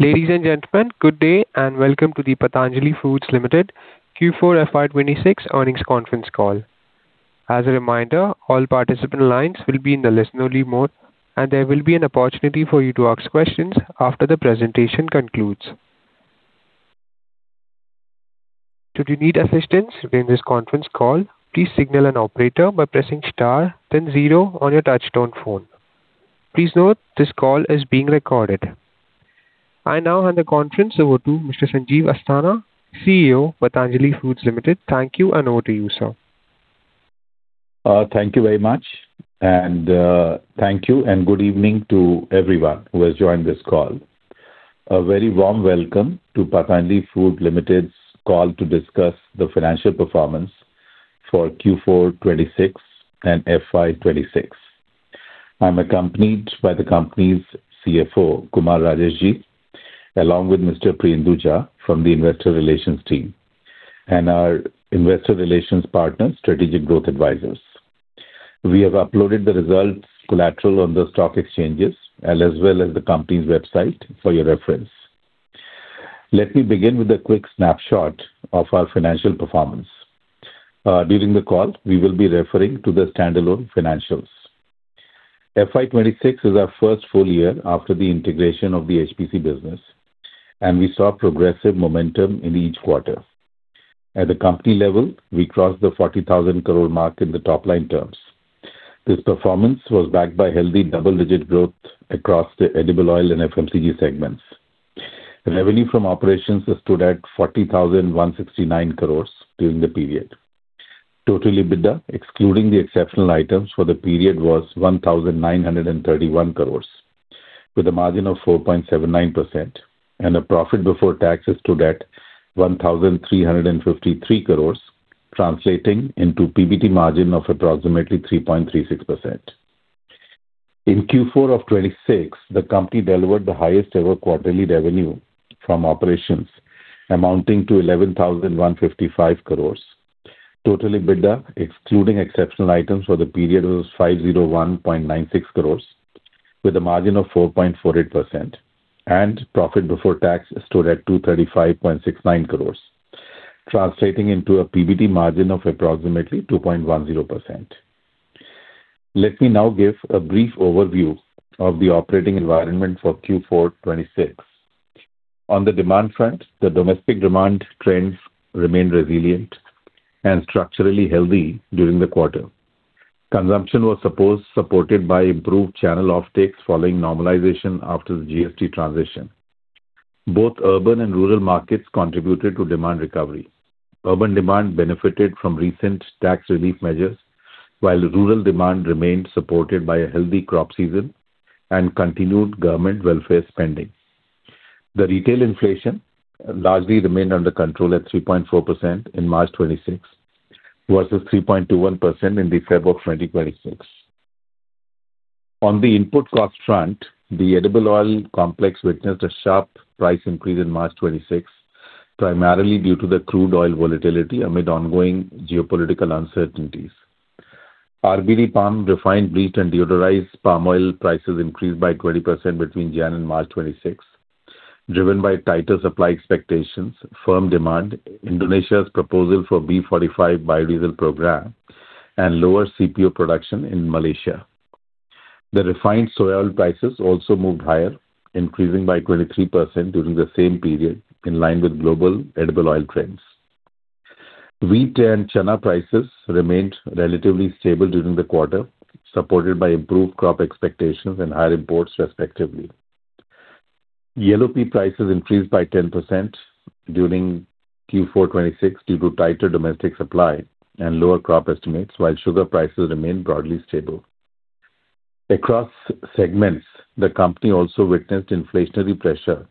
Ladies and gentlemen, good day. Welcome to the Patanjali Foods Limited Q4 FY 2026 earnings conference call. As a reminder, all participant lines will be in the listen-only mode, and there will be an opportunity for you to ask questions after the presentation concludes. Should you need assistance during this conference call, please signal an operator by pressing star then zero on your touch-tone phone. Please note this call is being recorded. I now hand the conference over to Mr. Sanjeev Asthana, CEO, Patanjali Foods Limited. Thank you. Over to you, sir. Thank you very much. Thank you and good evening to everyone who has joined this call. A very warm welcome to Patanjali Foods Limited's call to discuss the financial performance for Q4 2026 and FY 2026. I'm accompanied by the company's CFO, Kumar Rajeshji, along with Mr. Priyendu Jha from the investor relations team, and our investor relations partner, Strategic Growth Advisors. We have uploaded the results collateral on the stock exchanges and as well as the company's website for your reference. Let me begin with a quick snapshot of our financial performance. During the call, we will be referring to the standalone financials. FY 2026 is our first full year after the integration of the HPC business, and we saw progressive momentum in each quarter. At the company level, we crossed the 40,000 crore mark in the top-line terms. This performance was backed by healthy double-digit growth across the edible oil and FMCG segments. Revenue from operations stood at 40,169 crores during the period. Total EBITDA, excluding the exceptional items for the period, was 1,931 crores with a margin of 4.79%, and a profit before tax stood at 1,353 crores, translating into PBT margin of approximately 3.36%. In Q4 of 2026, the company delivered the highest-ever quarterly revenue from operations, amounting to 11,155 crores. Total EBITDA, excluding exceptional items for the period, was 501.96 crores with a margin of 4.48%. Profit before tax stood at 235.69 crores, translating into a PBT margin of approximately 2.10%. Let me now give a brief overview of the operating environment for Q4 2026. On the demand front, the domestic demand trends remained resilient and structurally healthy during the quarter. Consumption was supported by improved channel offtakes following normalization after the GST transition. Both urban and rural markets contributed to demand recovery. Urban demand benefited from recent tax relief measures, while rural demand remained supported by a healthy crop season and continued government welfare spending. The retail inflation largely remained under control at 3.4% in March 2026, versus 3.21% in February 2026. On the input cost front, the edible oil complex witnessed a sharp price increase in March 2026, primarily due to the crude oil volatility amid ongoing geopolitical uncertainties. RBD palm, Refined, Bleached, and Deodorized palm oil prices increased by 20% between January and March 2026, driven by tighter supply expectations, firm demand, Indonesia's proposal for B45 biodiesel program, and lower CPO production in Malaysia. The refined soy oil prices also moved higher, increasing by 23% during the same period, in line with global edible oil trends. Wheat and chana prices remained relatively stable during the quarter, supported by improved crop expectations and higher imports respectively. Yellow pea prices increased by 10% during Q4 2026 due to tighter domestic supply and lower crop estimates, while sugar prices remained broadly stable. Across segments, the company also witnessed inflationary pressure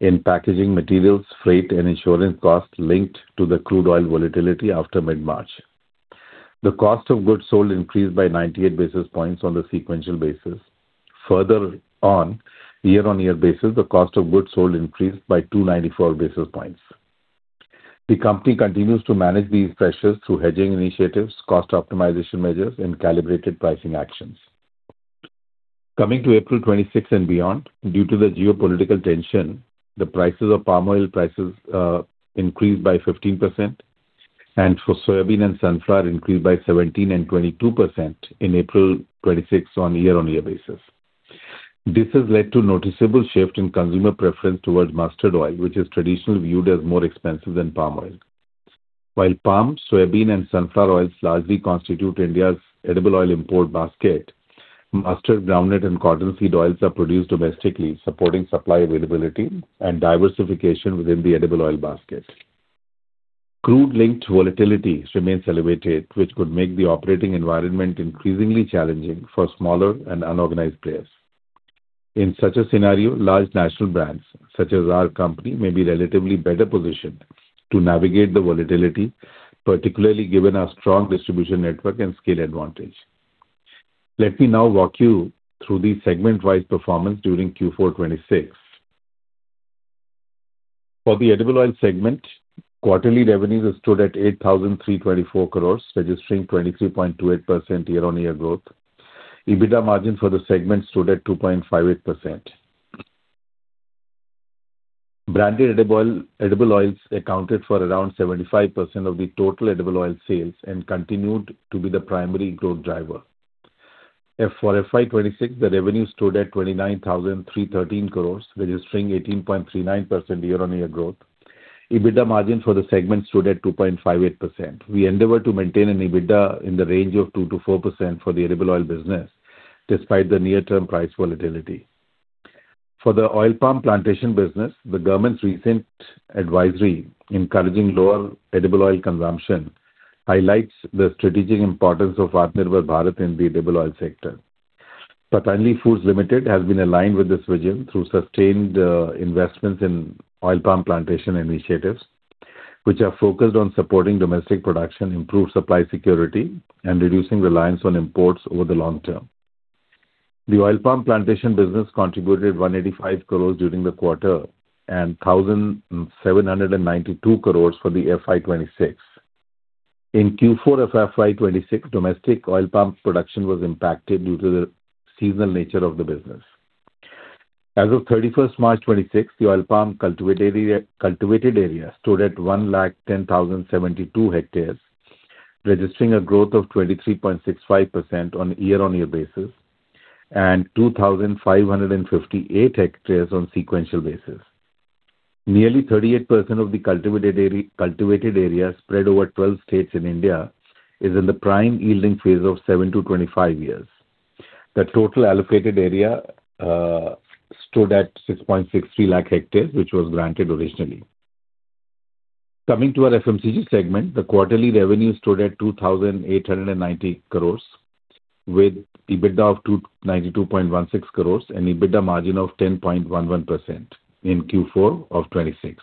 in packaging materials, freight, and insurance costs linked to the crude oil volatility after mid-March. The cost of goods sold increased by 98 basis points on the sequential basis. Further on year-on-year basis, the cost of goods sold increased by 294 basis points. The company continues to manage these pressures through hedging initiatives, cost optimization measures, and calibrated pricing actions. Coming to April 2026 and beyond, due to the geopolitical tension, the prices of palm oil prices increased by 15%, and for soybean and sunflower increased by 17% and 22% in April 2026 on year-on-year basis. This has led to noticeable shift in consumer preference towards mustard oil, which is traditionally viewed as more expensive than palm oil. While palm, soybean, and sunflower oils largely constitute India's edible oil import basket, mustard, groundnut, and cottonseed oils are produced domestically, supporting supply availability and diversification within the edible oil basket. Crude-linked volatility remains elevated, which could make the operating environment increasingly challenging for smaller and unorganized players. In such a scenario, large national brands such as our company may be relatively better positioned to navigate the volatility, particularly given our strong distribution network and scale advantage. Let me now walk you through the segment-wise performance during Q4 2026. For the edible oil segment, quarterly revenues stood at 8,324 crore, registering 23.28% year-on-year growth. EBITDA margin for the segment stood at 2.58%. Branded edible oils accounted for around 75% of the total edible oil sales and continued to be the primary growth driver. For FY 2026, the revenue stood at 29,313 crore, registering 18.39% year-on-year growth. EBITDA margin for the segment stood at 2.58%. We endeavor to maintain an EBITDA in the range of 2%-4% for the edible oil business, despite the near-term price volatility. For the oil palm plantation business, the government's recent advisory encouraging lower edible oil consumption highlights the strategic importance of Atma Nirbharta in the edible oil sector. Patanjali Foods Limited has been aligned with this vision through sustained investments in oil palm plantation initiatives, which are focused on supporting domestic production, improved supply security, and reducing reliance on imports over the long term. The oil palm plantation business contributed 185 crore during the quarter and 1,792 crore for the FY 2026. In Q4 of FY 2026, domestic oil palm production was impacted due to the seasonal nature of the business. As of 31st March 2026, the oil palm cultivated area stood at 110,072 hectares, registering a growth of 23.65% on a year-on-year basis, and 2,558 hectares on sequential basis. Nearly 38% of the cultivated area spread over 12 states in India is in the prime yielding phase of 7 to 25 years. The total allocated area stood at 6.63 lakh hectares, which was granted originally. Coming to our FMCG segment, the quarterly revenue stood at 2,890 crores with EBITDA of 292.16 crores and EBITDA margin of 10.11% in Q4 of 2026.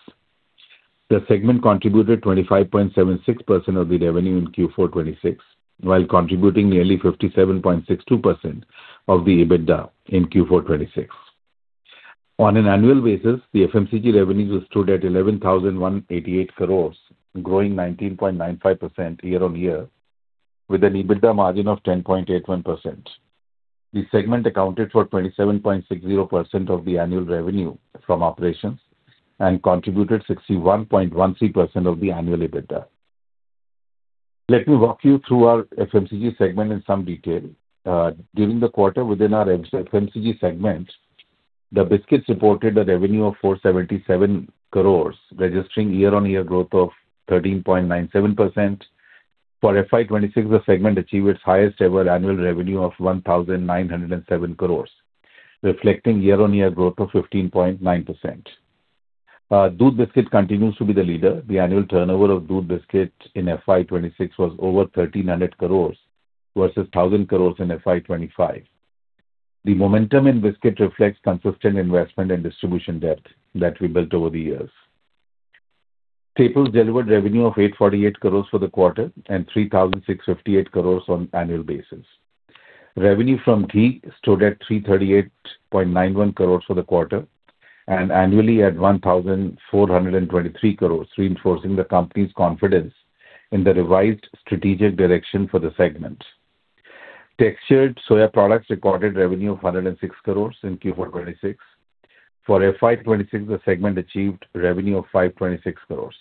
The segment contributed 25.76% of the revenue in Q4 2026, while contributing nearly 57.62% of the EBITDA in Q4 2026. On an annual basis, the FMCG revenues stood at 11,188 crores, growing 19.95% year-on-year with an EBITDA margin of 10.81%. The segment accounted for 27.60% of the annual revenue from operations and contributed 61.13% of the annual EBITDA. Let me walk you through our FMCG segment in some detail. During the quarter within our FMCG segment, the biscuits reported a revenue of 477 crore, registering year-on-year growth of 13.97%. For FY 2026, the segment achieved its highest-ever annual revenue of 1,907 crore, reflecting year-on-year growth of 15.90%. Doodh Biscuit continues to be the leader. The annual turnover of Doodh Biscuit in FY 2026 was over 1,300 crore versus 1,000 crore in FY 2025. The momentum in biscuit reflects consistent investment and distribution depth that we built over the years. staples delivered revenue of 848 crore for the quarter and 3,658 crore on annual basis. Revenue from ghee stood at 338.91 crore for the quarter and annually at 1,423 crore, reinforcing the company's confidence in the revised strategic direction for the segment. Textured soya products recorded revenue of 106 crores in Q4 2026. For FY 2026, the segment achieved revenue of 526 crores.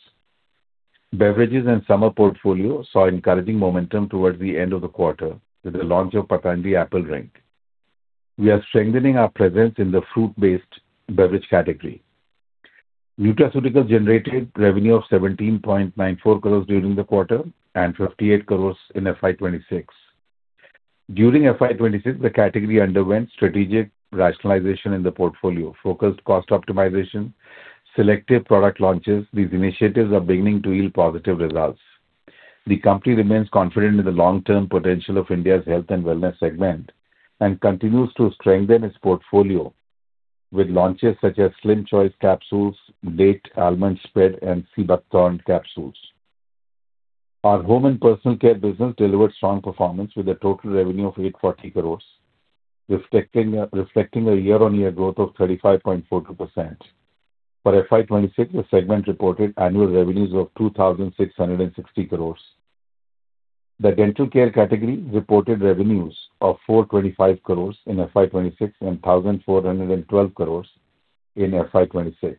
Beverages and summer portfolio saw encouraging momentum towards the end of the quarter with the launch of Patanjali Apple Drink. We are strengthening our presence in the fruit-based beverage category. Nutraceuticals generated revenue of 17.94 crores during the quarter and 58 crores in FY 2026. During FY 2026, the category underwent strategic rationalization in the portfolio, focused cost optimization, selective product launches. These initiatives are beginning to yield positive results. The company remains confident in the long-term potential of India's health and wellness segment and continues to strengthen its portfolio with launches such as Slim Choice capsules, Date Almond Spread, and Sea Buckthorn capsules. Our home and personal care business delivered strong performance with a total revenue of 840 crores, reflecting a year-on-year growth of 35.42%. For FY 2026, the segment reported annual revenues of 2,660 crores. The dental care category reported revenues of 425 crores in FY 2026 and 1,412 crores in FY 2026.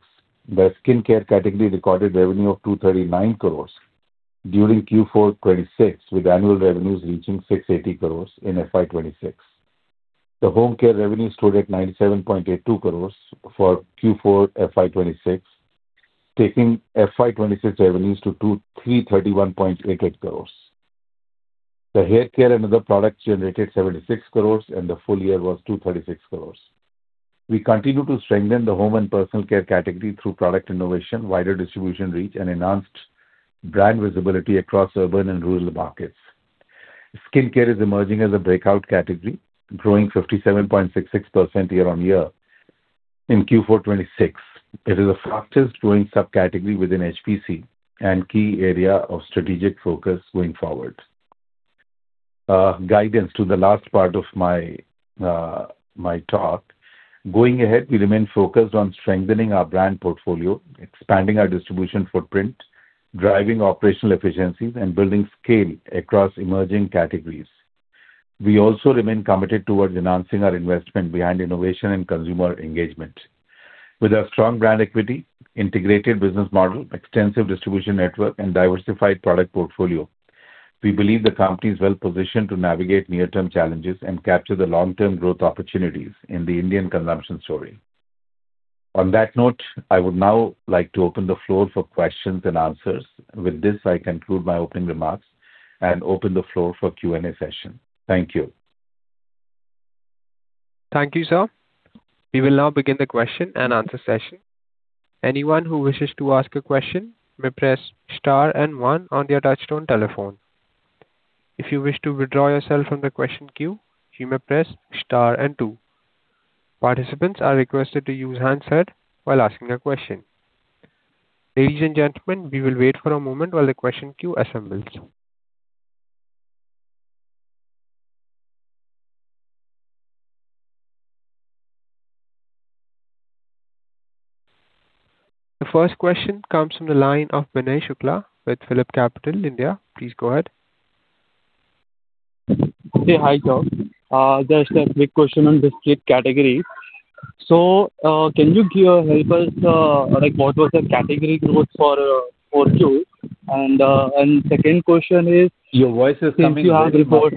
The skincare category recorded revenue of 239 crores during Q4 2026, with annual revenues reaching 680 crores in FY 2026. The home care revenue stood at 97.82 crores for Q4 FY 2026, taking FY 2026 revenues to 331.88 crores. The hair care and other products generated 76 crores, and the full year was 236 crores. We continue to strengthen the home and personal care category through product innovation, wider distribution reach, and enhanced brand visibility across urban and rural markets. Skincare is emerging as a breakout category, growing 57.66% year-on-year in Q4 2026. It is the fastest-growing subcategory within HPC and key area of strategic focus going forward. Guidance to the last part of my talk. Going ahead, we remain focused on strengthening our brand portfolio, expanding our distribution footprint, driving operational efficiencies, and building scale across emerging categories. We also remain committed towards enhancing our investment behind innovation and consumer engagement. With our strong brand equity, integrated business model, extensive distribution network, and diversified product portfolio, we believe the company is well-positioned to navigate near-term challenges and capture the long-term growth opportunities in the Indian consumption story. On that note, I would now like to open the floor for questions and answers. With this, I conclude my opening remarks and open the floor for Q&A session. Thank you. Thank you, sir. We will now begin the question-and-answer session. Anyone who wishes to ask a question, you may press star and one on your touch-tone telephone. If you wish to withdraw yourself from the question queue, you may press star and two. Participants are requested to use handset while asking a question. Ladies and gentlemen, we will wait for a moment while the question queue assembles. The first question comes from the line of Binay Shukla with PhillipCapital, India. Please go ahead. Okay. Hi, sir. Just a quick question on biscuit category. Can you help us, like what was the category growth for Q2? Second question is... Your voice is coming very muffled.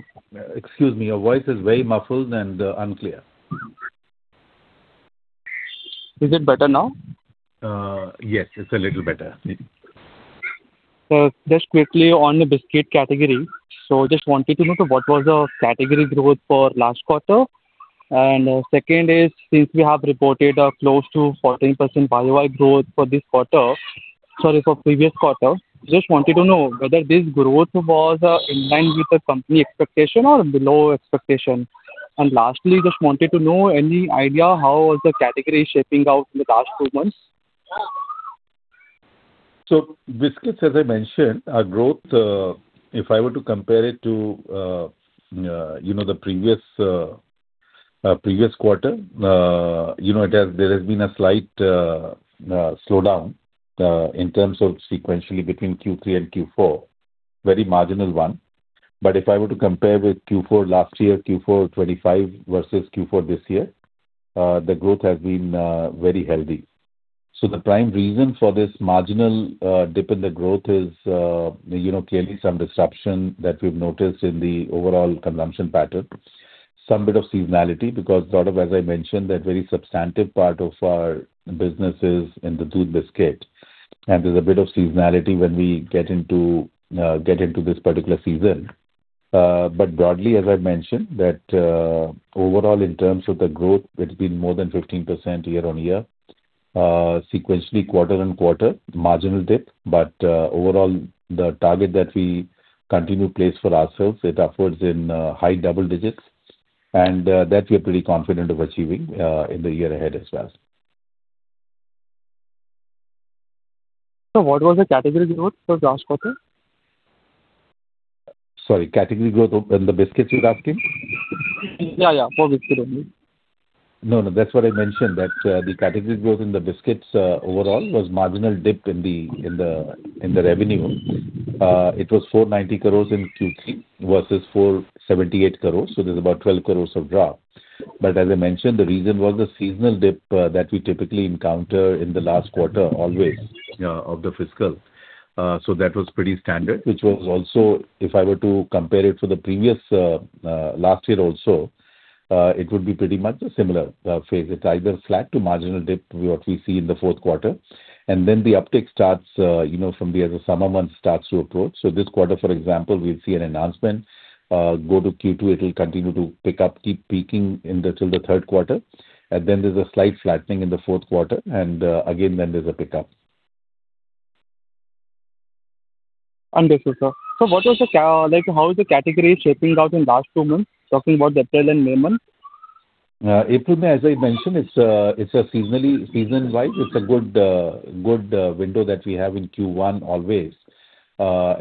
Excuse me. Your voice is very muffled and unclear. Is it better now? Yes, it's a little better. Just quickly on the biscuit category. Just wanted to know what was the category growth for last quarter, and second is, since we have reported close to 14% YoY growth for this quarter, sorry, for previous quarter, just wanted to know whether this growth was in line with the company expectation or below expectation. Lastly, just wanted to know any idea how was the category shaping out in the last two months. Biscuits, as I mentioned, our growth, if I were to compare it to the previous quarter, there has been a slight slowdown in terms of sequentially between Q3 and Q4, very marginal one. If I were to compare with Q4 2025 versus Q4 this year, the growth has been very healthy. The prime reason for this marginal dip in the growth is clearly some disruption that we've noticed in the overall consumption pattern, some bit of seasonality, because a lot of, as I mentioned, that very substantive part of our business is in the biscuit. There's a bit of seasonality when we get into this particular season. Broadly, as I mentioned, that overall in terms of the growth, it's been more than 15% year-on-year, sequentially quarter-on-quarter, marginal dip. Overall, the target that we continue to place for ourselves is upwards in high double-digits, and that we're pretty confident of achieving in the year ahead as well. What was the category growth for last quarter? Sorry, category growth in the biscuits you're asking? Yeah. For biscuit only. That's what I mentioned, that the category growth in the biscuits overall was marginal dip in the revenue. It was 490 crores in Q3 versus 478 crores, there's about 12 crores of drop. As I mentioned, the reason was the seasonal dip that we typically encounter in the last quarter always of the fiscal. That was pretty standard, which was also, if I were to compare it for the previous, last year also, it would be pretty much a similar phase. It's either flat to marginal dip, what we see in the fourth quarter, the uptick starts from there as the summer months starts to approach. This quarter, for example, we'll see an enhancement, go to Q2, it'll continue to pick up, keep peaking till the third quarter, and then there's a slight flattening in the fourth quarter, and again then there's a pickup. Understood, sir. How is the category shaping out in last two months, talking about the April and May month? April, as I mentioned, season-wise, it's a good window that we have in Q1 always,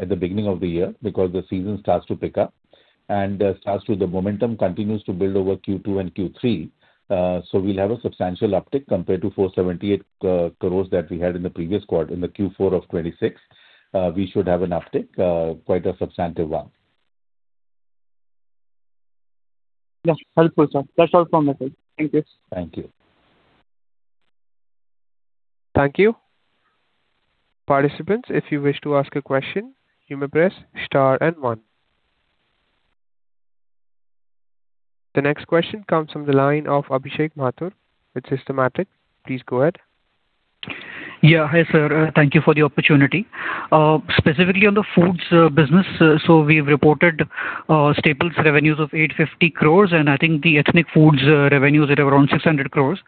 at the beginning of the year, because the season starts to pick up and starts with the momentum, continues to build over Q2 and Q3. We'll have a substantial uptick compared to 478 crores that we had in the previous quarter. In the Q4 of 2026, we should have an uptick, quite a substantive one. Yeah. Helpful, sir. That's all from my side. Thank you. Thank you. Thank you. Participants, if you wish to ask a question, you may press star and one. The next question comes from the line of Abhishek Mathur with Systematix. Please go ahead. Yeah. Hi, sir. Thank you for the opportunity. Specifically on the foods business, we've reported staples revenues of 850 crores, and I think the ethnic foods revenues at around 600 crores.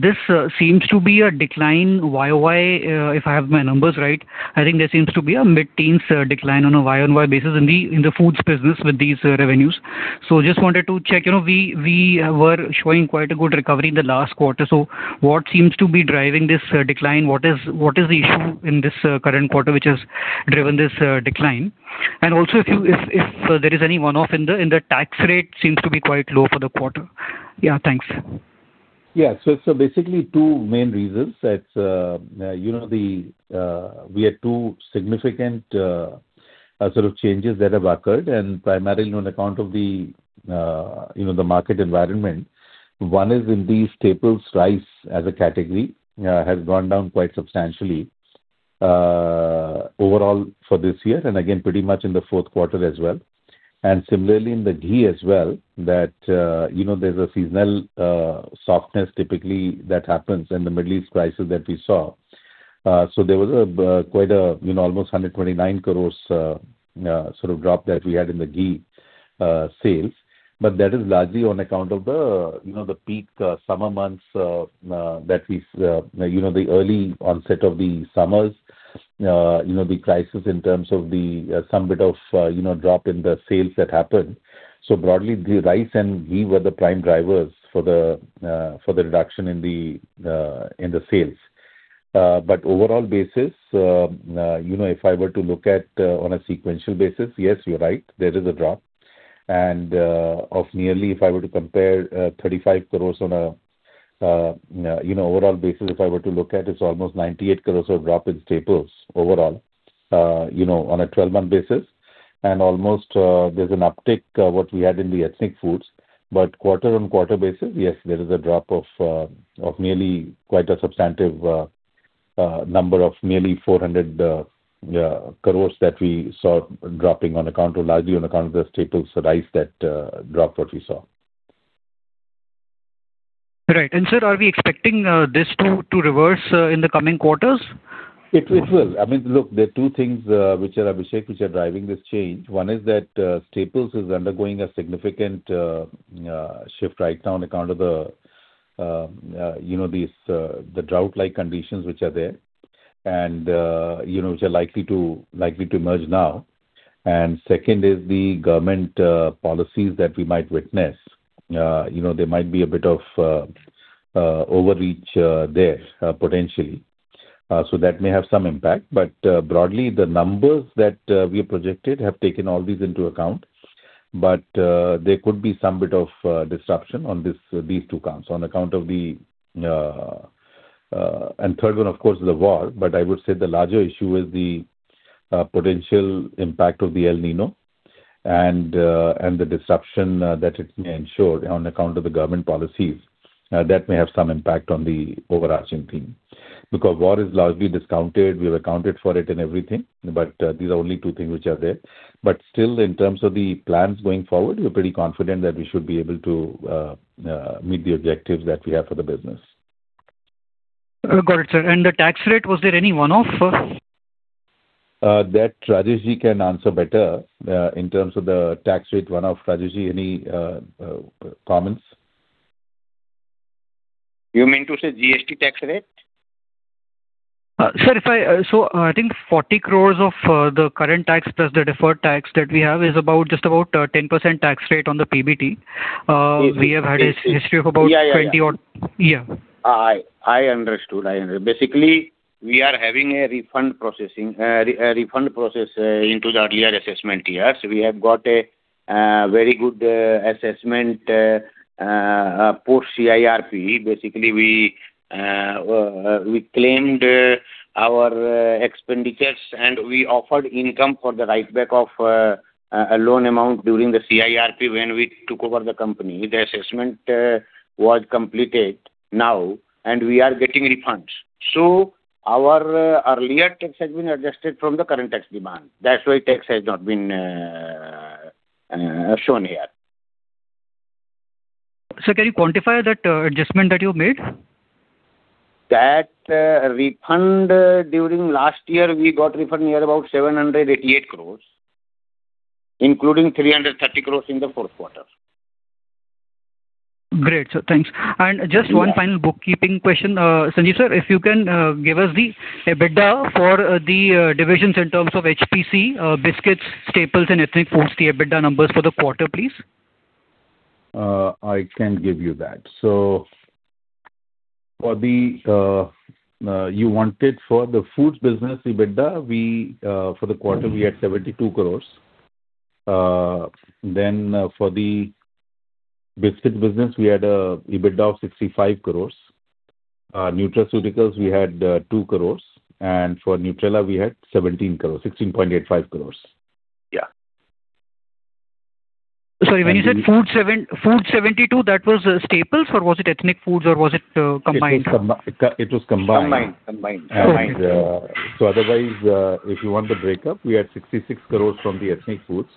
This seems to be a decline YoY, if I have my numbers right. I think there seems to be a mid-teens decline on a YoY basis in the foods business with these revenues. Just wanted to check. We were showing quite a good recovery in the last quarter. What seems to be driving this decline? What is the issue in this current quarter which has driven this decline? If there is any one-off in the tax rate seems to be quite low for the quarter. Yeah, thanks. Yeah. Basically two main reasons. We had two significant sort of changes that have occurred, and primarily on account of the market environment. One is in the staples rice as a category, has gone down quite substantially overall for this year, and again, pretty much in the fourth quarter as well. Similarly in the ghee as well, there's a seasonal softness typically that happens in the Middle East prices that we saw. There was almost 129 crores sort of drop that we had in the ghee sales. That is largely on account of the peak summer months, the early onset of the summers, the crisis in terms of the bit of drop in the sales that happened. Broadly, the rice and ghee were the prime drivers for the reduction in the sales. Overall basis, if I were to look at on a sequential basis, yes, you're right, there is a drop. Of nearly, if I were to compare, 35 crores on a overall basis, if I were to look at, it's almost 98 crores of drop in staples overall on a 12-month basis. Almost there's an uptick what we had in the ethnic foods. Quarter-on-quarter basis, yes, there is a drop of nearly quite a substantive number of nearly 400 crores that we saw dropping largely on account of the staples rice that drop what we saw. Right. Sir, are we expecting this to reverse in the coming quarters? It will. Look, there are two things, Abhishek, which are driving this change. One is that staples is undergoing a significant shift right now on account of the drought-like conditions which are there, and which are likely to emerge now. Second is the government policies that we might witness. There might be a bit of overreach there potentially. That may have some impact. Broadly, the numbers that we have projected have taken all these into account. There could be some bit of disruption on these two counts. Third one, of course, is the war, but I would say the larger issue is the potential impact of the El Niño and the disruption that it may ensure on account of the government policies. That may have some impact on the overarching theme. War is largely discounted, we've accounted for it in everything, but these are only two things which are there. Still, in terms of the plans going forward, we're pretty confident that we should be able to meet the objectives that we have for the business. Got it, sir. The tax rate, was there any one-off? That Rajeshji can answer better in terms of the tax rate one-off. Rajeshji, any comments? You mean to say GST tax rate? Sir, I think 40 crore of the current tax plus the deferred tax that we have is just about 10% tax rate on the PBT. Yeah 20 odd. Yeah. I understood. Basically, we are having a refund process into the earlier assessment years. We have got a very good assessment, post CIRP. Basically, we claimed our expenditures, and we offered income for the write back of a loan amount during the CIRP when we took over the company. The assessment was completed now, and we are getting refunds. Our earlier tax has been adjusted from the current tax demand. That's why tax has not been shown here. Sir, can you quantify that adjustment that you've made? That refund during last year, we got refund near about 788 crores, including 330 crores in the fourth quarter. Great, sir. Thanks. Just one final bookkeeping question. Sanjeev sir, if you can give us the EBITDA for the divisions in terms of HPC, biscuits, staples, and ethnic foods, the EBITDA numbers for the quarter, please. I can give you that. You wanted for the foods business EBITDA, for the quarter, we had 72 crores. For the biscuit business, we had EBITDA of 65 crores. Nutraceuticals, we had 2 crores. For Nutrela, we had 16.85 crores. Yeah. Sorry, when you said food 72 crores, that was staples, or was it ethnic foods, or was it combined? It was combined. Combined. Otherwise, if you want the breakup, we had 66 crores from the ethnic foods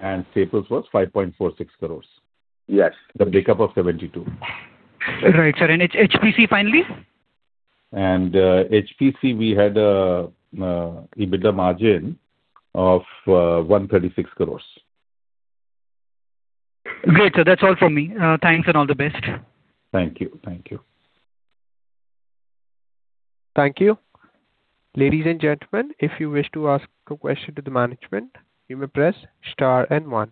and staples was 5.46 crores. Yes. The breakup of 72 crores. Right, sir. HPC, finally? HPC, we had EBITDA margin of 136 crore. Great, sir. That's all from me. Thanks and all the best. Thank you. Thank you. Ladies and gentlemen, if you wish to ask a question to the management, you may press star and one.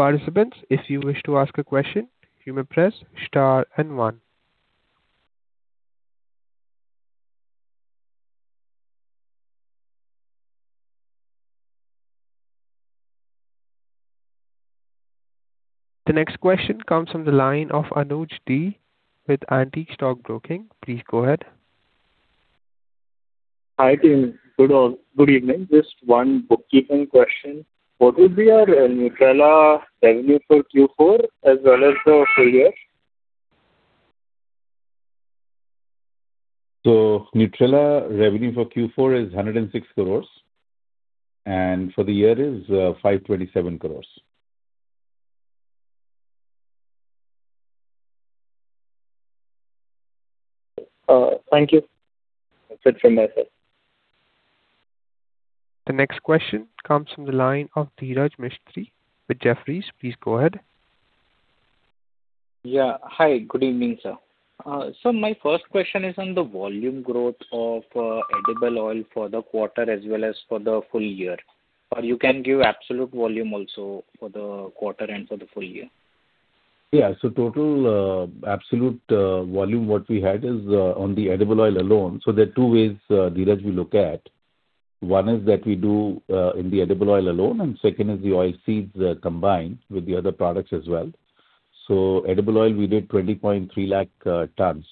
Participants, if you wish to ask a question, you may press star and one. The next question comes from the line of Anuj D. with Antique Stock Broking. Please go ahead. Hi, team. Good evening. Just one bookkeeping question. What would be our Nutrela revenue for Q4 as well as the full year? Nutrela revenue for Q4 is 106 crores and for the year is 527 crores. Thank you. That's it from my side. The next question comes from the line of Dhiraj Mistry with Jefferies. Please go ahead. Yeah. Hi. Good evening, sir. Sir, my first question is on the volume growth of edible oil for the quarter as well as for the full year. You can give absolute volume also for the quarter and for the full year. Yeah. Total absolute volume, what we had is on the edible oil alone. There are two ways, Dhiraj, we look at. One is that we do in the edible oil alone, and second is the oil seeds combined with the other products as well. Edible oil, we did 20.3 lakh tons,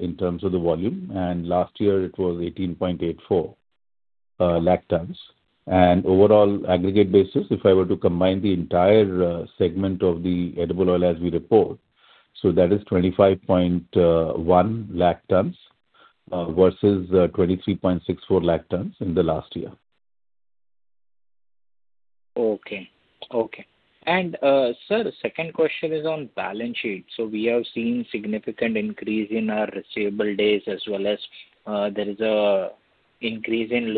in terms of the volume, and last year it was 18.84 lakh tons. Overall aggregate basis, if I were to combine the entire segment of the edible oil as we report, so that is 25.1 lakh tons, versus 23.64 lakh tons in the last year. Okay. Sir, second question is on balance sheet. We have seen significant increase in our receivable days as well as, there is increase in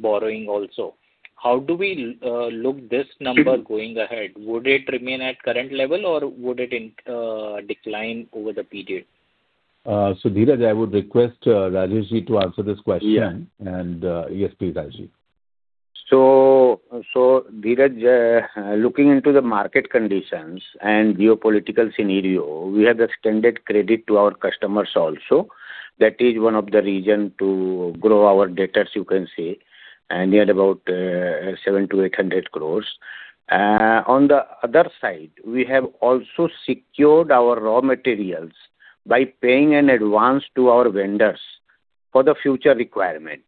borrowing also. How do we look this number going ahead? Would it remain at current level or would it decline over the period? Dhiraj, I would request Rajesh to answer this question. Yeah. Yes, please, Rajesh Dhiraj, looking into the market conditions and geopolitical scenario, we have extended credit to our customers also. That is one of the reason to grow our debtors, you can say, near about 700 crores-800 crores. We have also secured our raw materials by paying an advance to our vendors for the future requirement.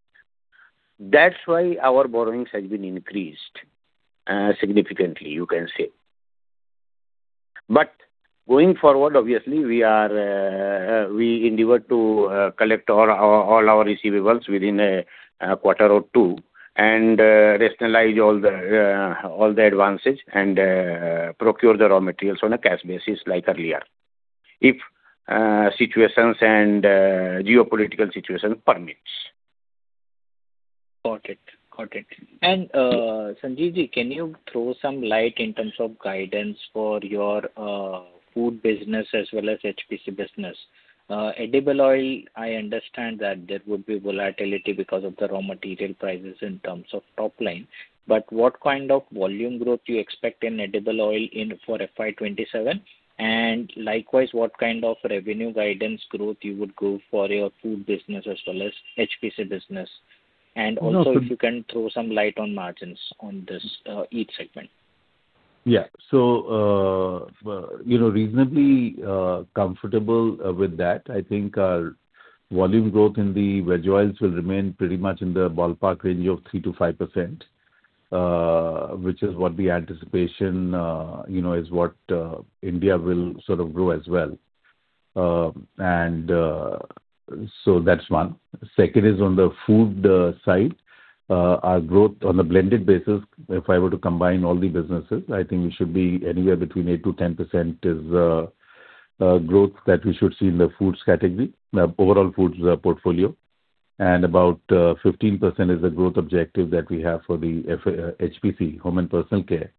Our borrowings has been increased, significantly, you can say. Going forward, obviously, we endeavor to collect all our receivables within a quarter or two and rationalize all the advances and procure the raw materials on a cash basis like earlier, if situations and geopolitical situation permits. Got it. Sanjeev, can you throw some light in terms of guidance for your food business as well as HPC business? Edible oil, I understand that there would be volatility because of the raw material prices in terms of top line, but what kind of volume growth do you expect in edible oil for FY 2027? Likewise, what kind of revenue guidance growth you would go for your food business as well as HPC business? Also if you can throw some light on margins on each segment. Yeah. Reasonably comfortable with that. I think our volume growth in the veg oils will remain pretty much in the ballpark range of 3%-5%, which is what the anticipation is what India will sort of grow as well. That's one. Second is on the food side. Our growth on a blended basis, if I were to combine all the businesses, I think it should be anywhere between 8%-10% is growth that we should see in the foods category, overall foods portfolio. About 15% is the growth objective that we have for the HPC, home and personal care.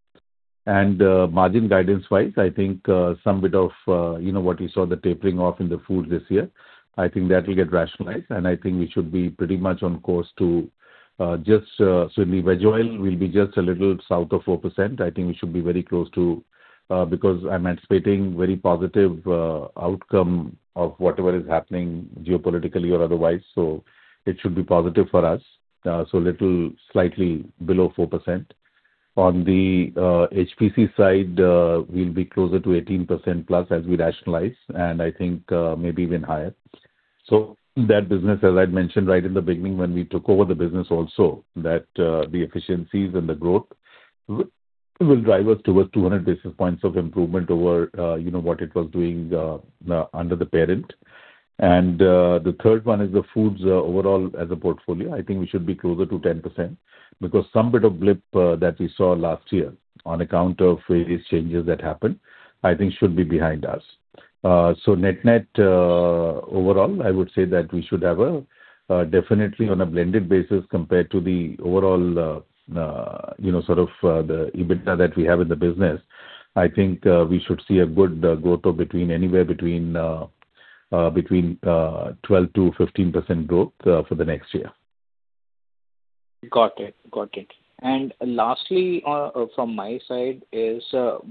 Margin guidance-wise, I think, some bit of what we saw, the tapering off in the food this year, I think that will get rationalized, and I think we should be pretty much on course. Certainly veg oil will be just a little south of 4%. I think we should be very close to, because I am anticipating very positive outcome of whatever is happening geopolitically or otherwise. It should be positive for us. Little, slightly below 4%. On the HPC side, we will be closer to 18%+ as we rationalize, and I think maybe even higher. That business, as I had mentioned right in the beginning when we took over the business also, that the efficiencies and the growth will drive us towards 200 basis points of improvement over what it was doing under the parent. The third one is the foods overall as a portfolio. I think we should be closer to 10%, because some bit of blip that we saw last year on account of various changes that happened, I think should be behind us. Net net, overall, I would say that we should have a definitely on a blended basis compared to the overall EBITDA that we have in the business. I think we should see a good growth of anywhere between 12% to 15% growth for the next year. Got it. Lastly, from my side is,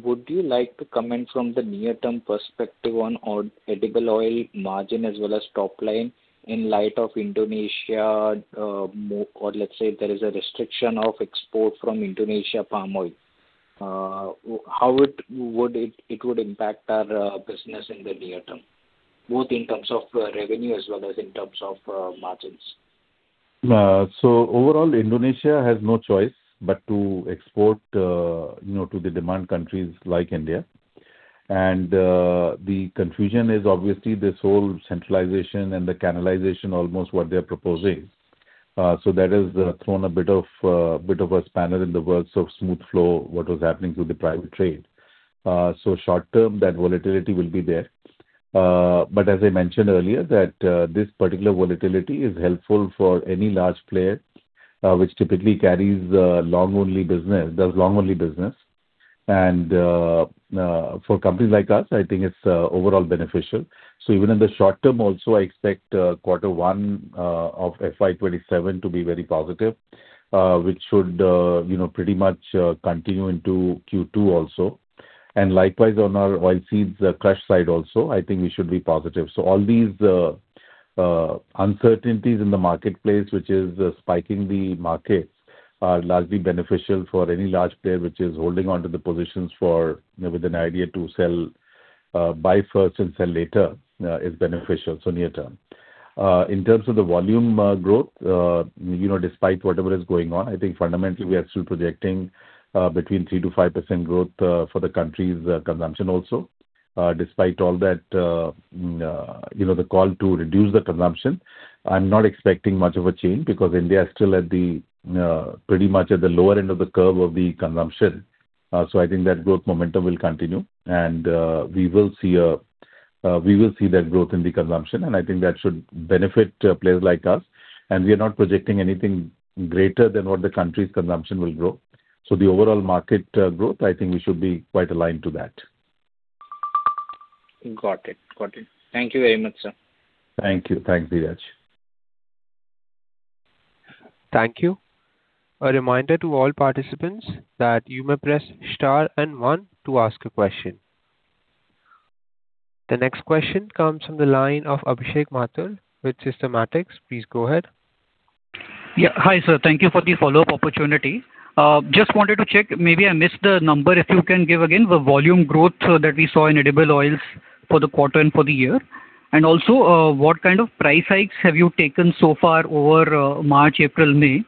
would you like to comment from the near-term perspective on edible oil margin as well as top line in light of Indonesia, or let's say there is a restriction of export from Indonesia palm oil? How it would impact our business in the near term, both in terms of revenue as well as in terms of margins? Overall, Indonesia has no choice but to export to the demand countries like India. The confusion is obviously this whole centralization and the canalization almost what they're proposing. That has thrown a bit of a spanner in the works of smooth flow, what was happening through the private trade. Short term, that volatility will be there. As I mentioned earlier that this particular volatility is helpful for any large player, which typically does long-only business. For companies like us, I think it's overall beneficial. Even in the short term also, I expect quarter one of FY 2027 to be very positive, which should pretty much continue into Q2 also. Likewise on our oilseeds crush side also, I think we should be positive. All these uncertainties in the marketplace, which is spiking the markets, are largely beneficial for any large player which is holding onto the positions with an idea to buy first and sell later, is beneficial. Near term. In terms of the volume growth, despite whatever is going on, I think fundamentally we are still projecting between 3%-5% growth for the country's consumption also. Despite all that, the call to reduce the consumption, I am not expecting much of a change because India is still pretty much at the lower end of the curve of the consumption. I think that growth momentum will continue and we will see that growth in the consumption, and I think that should benefit players like us. We are not projecting anything greater than what the country's consumption will grow. The overall market growth, I think we should be quite aligned to that. Got it. Thank you very much, sir. Thank you, Dhiraj. Thank you. A reminder to all participants that you may press star and one to ask a question. The next question comes from the line of Abhishek with Systematix. Please go ahead. Yeah. Hi, sir. Thank you for the follow-up opportunity. Just wanted to check, maybe I missed the number. If you can give again the volume growth that we saw in edible oils for the quarter and for the year. What kind of price hikes have you taken so far over March, April, May?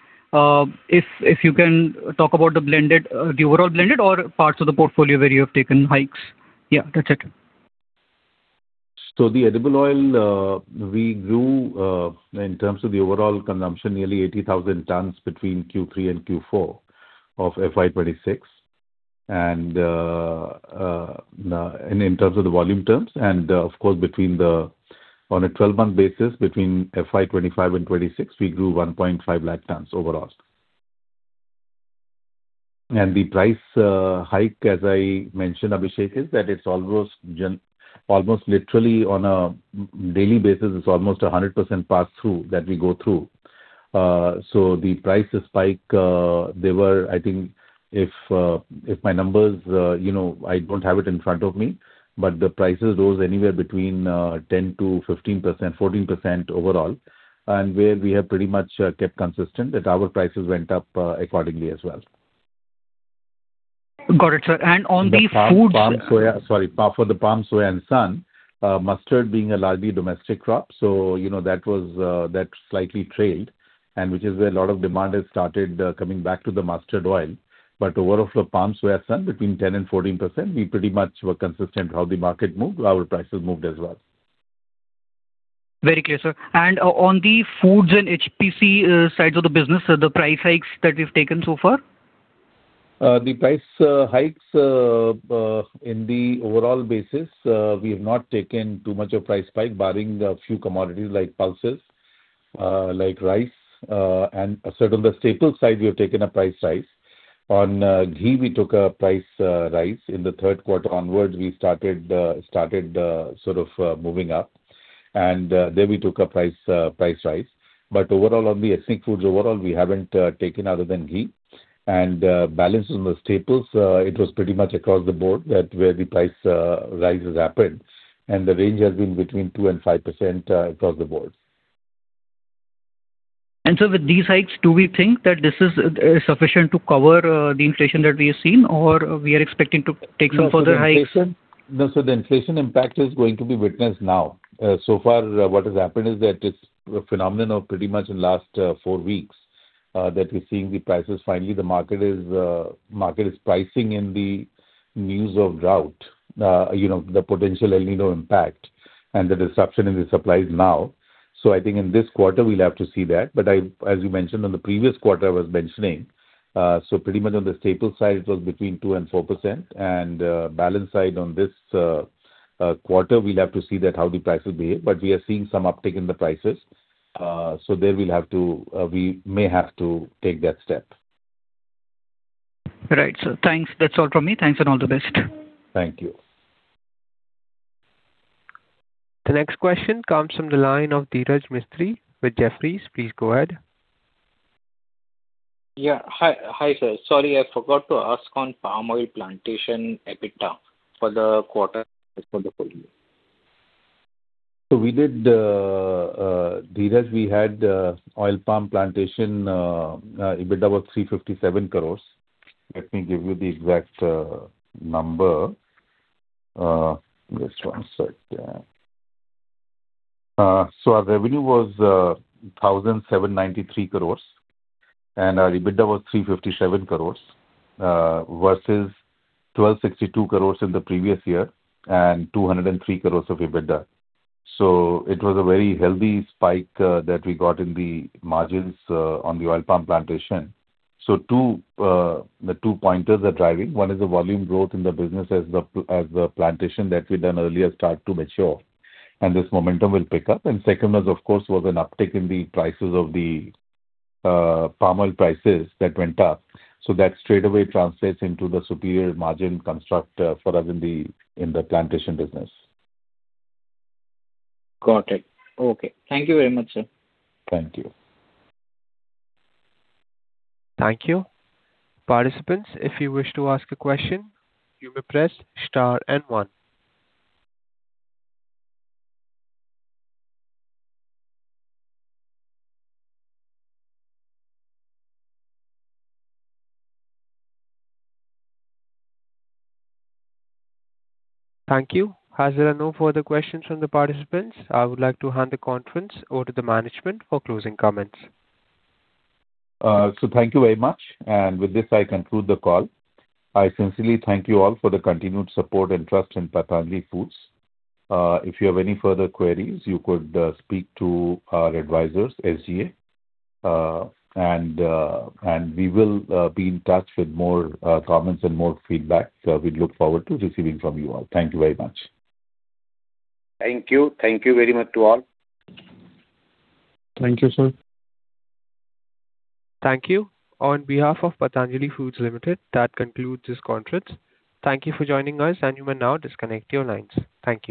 If you can talk about the overall blended or parts of the portfolio where you have taken hikes. Yeah, that's it. The edible oil, we grew, in terms of the overall consumption, nearly 80,000 tons between Q3 and Q4 of FY 2026. In terms of the volume terms and of course on a 12-month basis between FY 2025 and FY 2026, we grew 150,000 tons overall. The price hike, as I mentioned, Abhishek, is that it's almost literally on a daily basis, it's almost 100% pass-through that we go through. The prices spike, I don't have it in front of me, but the prices rose anywhere between 10%-14% overall, and where we have pretty much kept consistent that our prices went up accordingly as well. Got it, sir. On the foods. Sorry. For the palm, soya, and sunflower, mustard being a largely domestic crop, that slightly trailed, and which is where a lot of demand has started coming back to the mustard oil. Overall for palm, soya, and sunflower, between 10% and 14%, we pretty much were consistent how the market moved, our prices moved as well. Very clear, sir. On the foods and HPC sides of the business, the price hikes that we've taken so far? The price hikes, in the overall basis, we have not taken too much of price hike barring a few commodities like pulses, like rice. On the staples side, we have taken a price rise. On ghee, we took a price rise. In the third quarter onwards, we started sort of moving up. There we took a price rise. Overall on the ethnic foods, overall, we haven't taken other than ghee. Balance on the staples, it was pretty much across the board that where the price rises happened, and the range has been between 2% and 5% across the board. With these hikes, do we think that this is sufficient to cover the inflation that we have seen, or we are expecting to take some further hikes? No. The inflation impact is going to be witnessed now. So far, what has happened is that it's a phenomenon of pretty much in last four weeks that we're seeing the prices. Finally, the market is pricing in the news of drought, the potential El Niño impact and the disruption in the supplies now. I think in this quarter we'll have to see that. As you mentioned, on the previous quarter I was mentioning, so pretty much on the staple side, it was between 2%-4%, balance side on this quarter, we'll have to see how the price will behave. We are seeing some uptick in the prices, so there we may have to take that step. Right, sir. Thanks. That's all from me. Thanks and all the best. Thank you. The next question comes from the line of Dhiraj Mistry with Jefferies. Please go ahead. Yeah. Hi, sir. Sorry, I forgot to ask on palm oil plantation EBITDA for the quarter for the full year. Dhiraj, we had oil palm plantation EBITDA was 357 crores. Let me give you the exact number. Just one sec. Our revenue was 1,793 crores, and our EBITDA was 357 crores, versus 1,262 crores in the previous year and 203 crores of EBITDA. It was a very healthy spike that we got in the margins on the oil palm plantation. The two pointers are driving. One is the volume growth in the business as the plantation that we done earlier start to mature, and this momentum will pick up. Second was, of course, was an uptick in the palm oil prices that went up. That straightaway translates into the superior margin construct for us in the plantation business. Got it. Okay. Thank you very much, sir. Thank you. Thank you. Participants, if you wish to ask a question, you may press star and one. Thank you. There are no further questions from the participants, I would like to hand the conference over to the management for closing comments. Thank you very much. With this, I conclude the call. I sincerely thank you all for the continued support and trust in Patanjali Foods. If you have any further queries, you could speak to our advisors, SGA. We will be in touch with more comments and more feedback. We look forward to receiving from you all. Thank you very much. Thank you. Thank you very much to all. Thank you, sir. Thank you. On behalf of Patanjali Foods Limited, that concludes this conference. Thank you for joining us, and you may now disconnect your lines. Thank you.